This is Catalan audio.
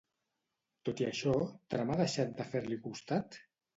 Tot i això, Trump ha deixat de fer-li costat?